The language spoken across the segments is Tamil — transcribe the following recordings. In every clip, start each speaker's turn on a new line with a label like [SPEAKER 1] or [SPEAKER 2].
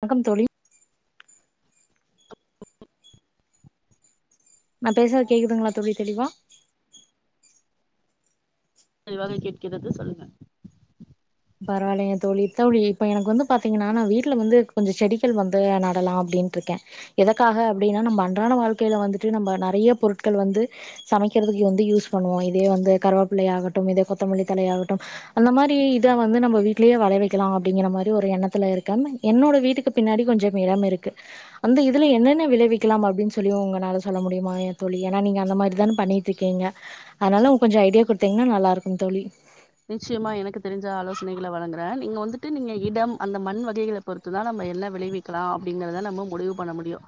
[SPEAKER 1] வணக்கம் தோழி நா பேசறது கேக்குதுங்களா தோழி தெளிவா
[SPEAKER 2] தெளிவாக கேட்கிறது சொல்லுங்க
[SPEAKER 1] பரவாயில்லைங்க தோழி தோழி இப்ப எனக்கு வந்து பாத்தீங்கன்னா நா வீட்ல வந்து கொஞ்ச செடிகள் வந்து நடலாம் அப்டின்ருக்கே எதற்காக அப்டினா நம்ப அன்றாட வாழ்க்கையில வந்துட்டு நம்ப நறைய பொருட்கள் வந்து சமைக்கிறதுக்கு வந்து யூஸ் பண்ணுவோ இதே வந்து கருவாப்பிலை ஆகட்டும் இதே கொத்தமல்லி தழை ஆகட்டும் அந்த மாரி இத வந்து நம்ம வீட்லயே வள வெக்கலா அப்டிங்கற மாரி ஒரு எண்ணத்துல இருக்க என்னோட வீட்டுக்கு பின்னாடி கொஞ்ச இடம் இருக்கு அந்த இதுல என்னென்ன விளைவிக்கலாம் அப்டினு சொல்லி உங்கனால சொல்ல முடியுமா தோழி ஏனா நீங்க அந்த மாரி தான பண்ணிட்டுருக்கீங்க அதனால கொஞ்ச ஐடியா குடுத்தீங்கன்னா நல்லாருக்கும் தோழி
[SPEAKER 2] நிச்சயமா எனக்கு தெரிஞ்ச ஆலோசனைகள வழங்குற நீங்க வந்துட்டு நீங்க இடம் அந்த மண் வகைகள பொறுத்துதா நாம என்ன விளைவிக்கலா அப்டிங்கறத நம்ம முடிவு பண்ண முடியு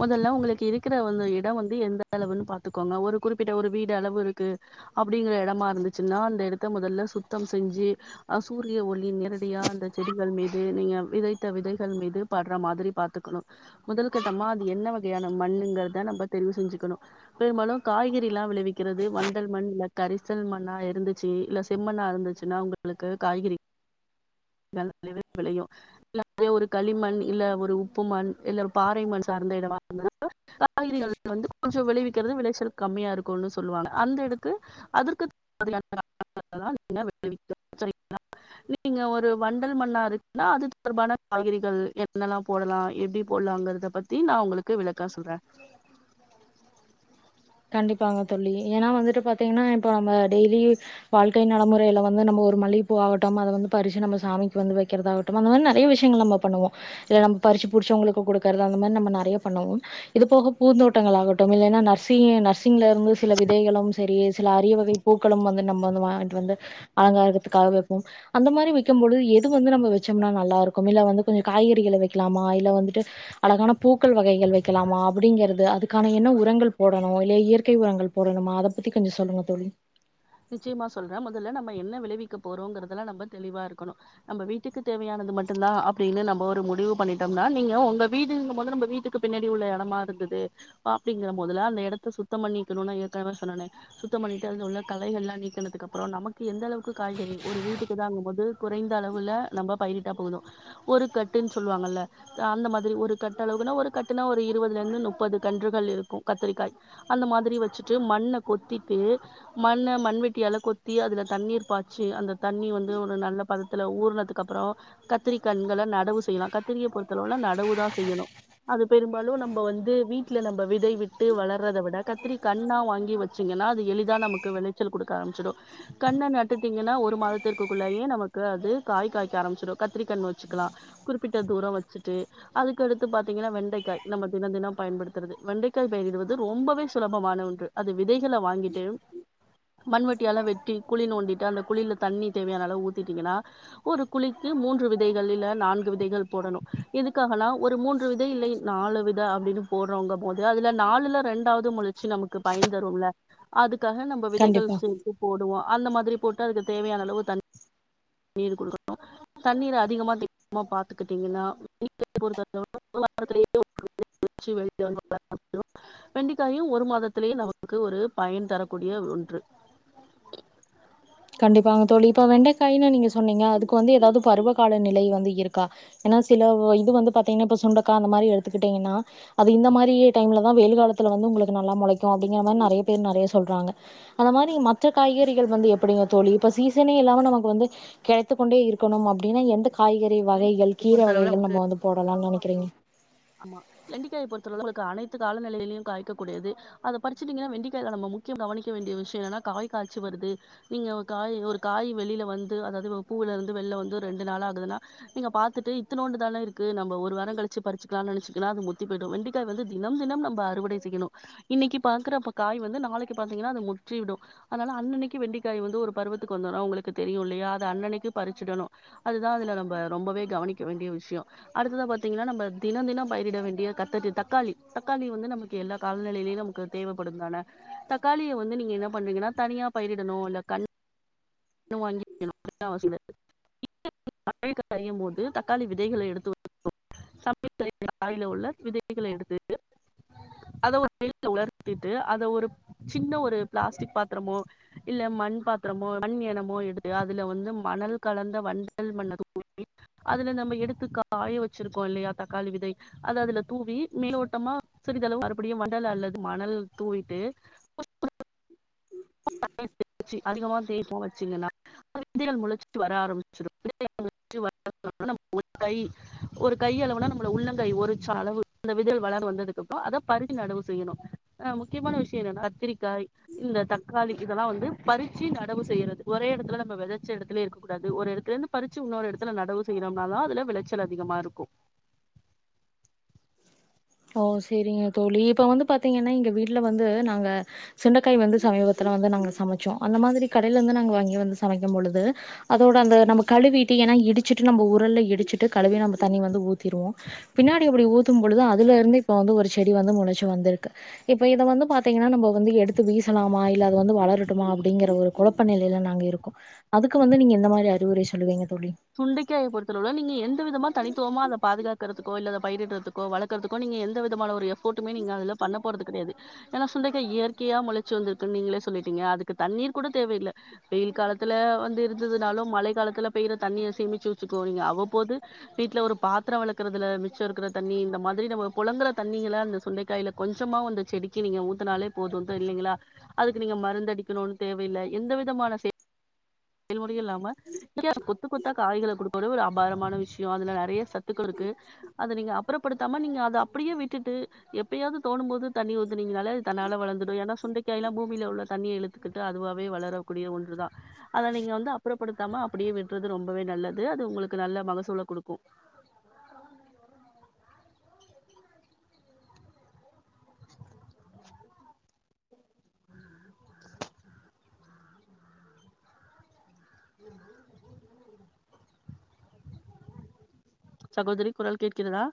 [SPEAKER 2] மொதல்ல உங்களுக்கு இருக்கிற அந்த இட வந்து எந்த அளவுனு பாத்துக்கோங்க ஒரு குறிப்பிட்ட ஒரு வீடு அளவு இருக்கு அப்டிங்கிற எடமா இருந்துச்சுனா அந்த இடத்த முதல்ல சுத்தம் செஞ்சு அ சூரிய ஒளி நேரடியா அந்த செடிகள் மீது நீங்க விதைத்த விதைகள் மீது பட்ற மாதிரி பாத்துக்கணு முதல் கட்டமா அது என்ன வகையான மண்ணுங்கறத நம்ப தெரிஞ்சிஞ்ச்சுக்கணு பெரும்பாலு காய்கறிலா விளைவிக்கிறது வண்டல் மண் இல்ல கரிசல் மண்ணா இருந்துச்சு இல்ல செம்மண்ணா இருந்துச்சுனா உங்களுக்கு காய்கறி [inaudible] நல்லாவே விளையு இல்ல அதே ஒரு களிமண் இல்ல ஒரு உப்பு மண் இல்ல ஒரு பாறை மண் சார்ந்த இடமா இருந் [inaudible] காய்கறிகள் வந்து கொஞ்ச விளைவிக்கிறது விளைச்சல் கம்மியா இருக்குனு சொல்லுவாங்க அந்த இடத்து அதற்கு [inaudible] நீங்க ஒரு வண்டல் மண்ணா இருக்குன்னா அது தொடர்பான காய்கறிகள் என்னலா போட்லா எப்டி போடலாங்கறத பத்தி நா உங்களுக்கு விளக்கோ சொல்ற
[SPEAKER 1] கண்டிப்பாங்க தோழி ஏனா வந்துட்டு பாத்தீங்கன்னா இப்ப நம்ம டெய்லி வாழ்க்கை நடமுறைல வந்து நம்ப ஒரு மல்லிப்பூ ஆகட்டும் அத வந்து பறிச்சு நம்ம சாமிக்கு வந்து வெக்கிறதாகட் டும் அந்த மாரி நறைய விஷயங்கள் நம்ம பண்ணுவோ இதுல நம் பறிச்சி புடிச்சவங்களுக்கு கொடுக்குறது அந்த மாரி நம்ம நறைய பண்ணுவோம் இது போக பூந்தோட்டங்கள் ஆகட்டும் இல்லனா நர்சி நர்சிங்ல இருந்து சில விதைகளும் சரி சில அரிய வகை பூக்களும் வந்து நம்ம வந்து வாங்கிட்டு வந்து அலங்காரத்துக்காக வெப்போம் அந்த மாரி வெக்கும்பொழு எது வந்து நம்ம வச்சோம்னா நல்லா இருக்கும் இல்ல வந்து கொஞ்ச காய்கறிகள வெக்கலாமா இல்ல வந்துட்டு அழகான பூக்கள் வகைகள் வெக்கலாமா அப்டிங்கறது அதுக்கான என்ன உரங்கள் போடணு இல்ல இயற்கை உரங்கள் போடணுமா அத பத்தி கொஞ்ச சொல்லுங்க தோழி
[SPEAKER 2] நிச்சியமா சொல்றே மொதல்ல நம்ம என்ன விளைவிக்க போறோங்கிறதுல நம்ப தெளிவா இருக்கணு நம்ப வீட்டுக்கு தேவையானது மட்டுந்தா அப்படின்னு நம்ப ஒரு முடிவு பண்ணிட்டோம்னா நீங்க உங்க வீடுங்கும்போது நம்ப வீட்டுக் க்கு பின்னாடி உள்ள இடமா இருந்தது அப்டிங்கற போதுலா அந்த இடத்த சுத்தம் பண்ணிக்கணுனா ஏற்கனவே சொன்னனே சுத்தம் பண்ணிட்ட உள்ள களைகள்லா நீக்கனதுக்கு அப்பறோ நமக்கு எந்த அளவுக்கு காய்கறி ஒரு வீட்டுக்குதாங்கும் போது குறைந்த அளவுல நம்ப பயிரிட்டா போது ஒரு கட்டுன் சொல்வாங்கல்ல அந்த மாதிரி ஒரு கட்ட அளவுனா ஒரு கட்டுனா ஒரு இருவதுல இருந்து முப்பது கன்றுகள் இருக்கு கத்தரிக்காய் அந்த மாதிரி வச்சுட்டு மண்ண கொத்திட்டு மண்ண மண்வெட்டியால கொத்தி அதுல தண்ணீர் பாய்ச்சு அந்த தண்ணி வந்து ஒரு நல்ல பதத்துல ஊறுனதுக்கப்புறோ கத்திரி கன்கள நடவு செய்யலா கத்திரியை பொறுத்தளவுல நடவு தா செய்யணு அது பெரும்பாலு நம்ப வந்து வீட்டுல நம்ம விதை விட்டு வளர்றத விட கத்திரி கண்ணா வாங்கி வச் சிங்கன்னா அது எளிதா நமக்கு விளைச்சல் கொடுக்க ஆரம்பிச்சிடு கன்ன நட்டுடிங்கன்னா ஒரு மாதத்திற்குள்ளையே நமக்கு அது காய் காய்க்க ஆரம்பிச்சிடு கத்திர கன்னு வச்சிக்கலா குறிப்பிட்ட தூரோ வச்சிட்டு அதுக்கடுத்து பாத்தீங்கன்னா வெண்டைக்காய் நம்ம தின தினோ பயன்படுத்துறது வெண்டைக்காய் பயிர்யிடுவது ரொம்பவே சுலபமான ஒன்று அது விதைகள வாங்கிட்டு மண்வெட்டியால வெட்டி குழி நோண்டிட்டு அந்த குழில தண்ணி தேவையான அளவு ஊத்திட்டீங்கன்னா ஒரு குழிக்கு மூன்று விதைகள் இல்ல நான்கு விதைகள் போடணு இதுக்காகன்னா ஒரு மூன்று விதை இல்லை நாலு வித அப்டின்னு போடற்றவங்க போது அதுல நாலுல ரெண்டாவது முளை ச்சு நமக்கு பயன் தரும்ல்ல அதுக்காக நம்ப விதைகள்
[SPEAKER 1] கண்டிப்பா
[SPEAKER 2] செ போடுவோ அந்த மாதிரி போட்டு அதுக் தேவையான அளவு தண்ணி நீர் குடுக்கணு தண்ணீர் [inaudible] அதிகமா பாத்துக்கிட்டீங்கன்னா [unintelligible] வெண்டிக்காயு ஒரு மாதத்திலேயே நமக்கு ஒரு பயன் தரக்கூடிய ஒன் று
[SPEAKER 1] கண்டிப்பாங்க தோழி இப்ப வெண்டைக்காயின்னு நீங்க சொன்னீங்க அதுக்கு வந்து எதாவது பருவ கால நிலை வந்து இருக்கா ஏன்னா சில இது வந்து பாத்தீங்கன்னா இப்ப சுண்டக்கா அந்த மாரி எடுத்துக்கிட்டீங்கன்னா அது இந்த மாரி டைம்லதா வெயில் காலத்துல வந்து உங்களுக் நல்லா மொளைக்கு அப்டிங்கிற மாரி நெறைய பேர் நெறைய சொல்றாங்க அந்த மாரி மற்ற காய்கறிகள் வந்து எப் அப்படியா தோழி இப்ப சீசன்னே இல்லாம நமக்கு வந்து கிடைத்துக்கொண்டே இருக்கணும் அப்படின்னா எந்த காய்கறி வகைகள்
[SPEAKER 2] வெண்டைக்காயை
[SPEAKER 1] கீரை
[SPEAKER 2] பொறுத்தளவுல
[SPEAKER 1] வகைகள்
[SPEAKER 2] நமக்கு
[SPEAKER 1] நம்ம வந்து போடலான் நெனைக்கிறீங்க
[SPEAKER 2] ஆமா வெண்டிக்காயை பொறுத்தளவுல உங்களுக்கு அனைத்து காலநிலையிலையு காய்க்க கூடியது அத பறிச்சி நீங்க வெண்டிக்காய்ல நம்ம முக்கியம் கவனிக்க வேண்டிய விஷ்யனா காய் காய்ச்சு வருது நீங்க ஒரு காய் ஒரு காய் வெளியில வந்து அதாவது பூவுல இருந்து வெளில வந்து ரெண்டு நாள் ஆகுதுன்னா நீங்க பாத்துட்டு இத்துனோண்டுதானே இருக்கு நம்ப ஒரு வாரோ கழிச்சி பறிச்சி கா நினச்சிக்குன்னா அது முத்தி போயிடு வெண்டிக்காய் வந்து தினம் தினம் நம்ப அறுவடை செய்யணு இன்னிக்கி பாக்கறப்ப காய் வந்து நாளைக்கு பாத்தீங்கன்னா அது முற்றிடு அதனால அன்னன்னைக்கி வெண்டிக்காய் வந்து ஒரு பருவத்துக்கு வந்துரு உங்களுக்கு தெரியு இல்லையா அத அன்னன்னைக்கி பறிச்சிடணு அதுதா அதுல நம்ம ரொம்பவே கவனிக்க வேண்டிய விஷ்யோ அடுத்ததா பாத்தீங்கன்னா நம்ப தினம் தினம் பயிரிட வேண்டிய கத்தரி தக்காளி தக்காளி வந்து நமக்கு எல்லா கால்நிலையிலையு நமக்கு தேவைப்படும தான தக்காளிய வந்து நீங்க என்ன பண்றீங்கன்னா தனியா பயிரிடணு இல்ல கண் கன்னு வாங்கி வைக்கன்னு [unintelligible] [unintelligible] அரியு போது தக்காளி விதைகள எடுத்து [unintelligible] [unintelligible] காயில உள்ள விதைகள எடுத்துட்டு அத ஒரு வெயில்ல உளர்த்திட்டு அத ஒரு சின்ன ஒரு பிளாஸ்டிக் பாத்தரமோ இல்ல மண் பாத்தரமோ மண் என்னமோ எடுத்து அதுல வந்து மணல் கலந்த வண்டல் மண்ண கூட்டி அதுல நம்ம எடுத்து காய வச்சிருக்கோ இல்லையா தக்காளி விதை அது அதுல தூவி மேல்லோட்டமா சிறிதளவு மறுபடியு வண்டல் அல்லது மணல் தூவிட்டு [unintelligible] வச்சி அதிகமா தேய்போ வச்சிங்கன்னா விதைகள் முளச்சிட்டு வர ஆரம்பிச்சிரு விதைகள் முளச்சு [unintelligible] நம்ம ஒரு கை ஒரு கை அளவுனா நம்மள உள்ளங்கை ஒரிச்சா அளவு அந்த விதைகள் வளர வந்ததுக்கு அப்பறோ அத பரிவு நடவு செய்யணு ஆ முக்கியமான விஷய என்னன்னா கத்திரிக்காய் இந்த தக்காளி இதெல்லா வந்து பறிச்சி நடவு செய்றது ஒரே எடத்துல நம்ம விதைச்ச எடத்துலே இருக்கக்கூடாது ஒரு எடத்துல இருந்து பறிச்சி இன்னொரு எடத்துல நடவு செய்யறோம்னாதா அதுல விளைச்சல் அதிகமா இருக்கு
[SPEAKER 1] ஓ சேரிங்க தோழி இப்போ வந்து பாத்தீங்கன்னா எங்க வீட்ல வந்து நாங்க சுண்டக்காய் வந்து சமீபத்துல வந்து நாங்க சமைச்சோ அந்த மாதிரி கடேல இருந்து நாங்க வாங்கி வந்து சமைக்கு பொழுது அதோட அந்த நம்ம கழுவிட்டு ஏனா இடிச்சிட்டு நம்ம உரல்ல இடிச்சிட்டு கழுவி நம்ம தண்ணி வந்து ஊத்திருவோ பின்னாடி இப்டி ஊத்து பொழுது அதுல இருந்து இப்ப வந்து ஒரு செடி வந்து மொளச்சு வந்திருக்கு இப்ப இத வந்து பாத்தீங்கன்னா நம்ம வந்து எடுத்து வீசலாமா இல்ல அது வந்து வளரட்டுமா அப்டிங்கிற ஒரு குழப் ப நிலைல நாங்க இருக்கோ அதுக்கு வந்து நீங்க எந்த மாரி அறிவுரை சொல்லுவீங்க தோழி
[SPEAKER 2] சுண்டைக் காய பொறுத்த அளவுல நீங்க எந்த விதமா தனித்துவமா அத பாதுகாத் க்கறதுகோ இல்ல அத பயிரிறதுக்கோ வளக்குறதுக்கோ நீங்க எந்த விதமான ஒரு எஃபர்ட்டுமே நீங்க அதுல பண்ண போறது கெடையாது ஏனா சுண்டைகாய் இயற்கையா மொளச்சு வந்துருக்குன்னு நீங்களே சொல்லிட்டீங்க அதுக்கு தண்ணீர் கூட தேவயில்ல வெயில் காலத்துல வந்து இருந்ததுனாலு மழை காலத்துல பெய்யிற தண்ணிய சேமிச்சு வச்சுக்கு நீங்க அவ்வப்போது வீட்ல ஒரு பாத்தரோ வெலக்கறதுல மிச்சம் இருக்கற தண்ணி இந்த மாதிரி நம்ம புழங்கற தண்ணிகள அந்த சுண்டைக்காய்ல கொஞ்சமாவு அந்த செடிக்கு நீங்க ஊத்துனாலே போது த இல்லைங்களா அதுக்கு நீங்க மருந்து அடிக்கணுனு தேவையில்ல எந்த விதமான செய் செயல்முறையே இல்லாம வித்தியாசமா கொத் கொத்து கொடுத்தா காய்கள குடுக்கடிய ஒரு அபாரமான விஷ்யோ அதுல நெறைய சத்துக்கு இருக்கு அத நீங்க அப்புறப்படுத்தாம நீங்க அத அப்டியே விட்டுட்டு எப்பயாவது தோணு போது தண்ணி ஊத்திங்கனால அது தன்னால வளந்துடு ஏனா சுண்டைக்காய எல்லா பூமில உள்ள தண்ணிய இழுத் துட்டு அதுவாவே வளரக்கூடிய ஒன்றுதா அத நீங்க வந்து அப்புறப்படுத்தாம அப்டியே விடுறது ரொம்பவே நல்லது அது உங்களுக்கு நல்ல மகசூல குடுக்கு உம் [unintelligible] சகோதரி குரல் கேட்கிறதா